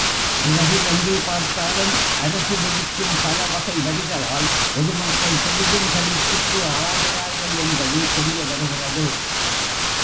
உலகில் எங்கே பார்த்தாலும் அரசு விதிக்கும் பல வகை வரிகளால் பொதுமக்கள் பெரிதும் சலிப்புக்கு ஆளாகிறார்கள் என்பது தெரியவருகிறது.